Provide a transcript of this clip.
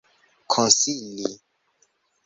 konsili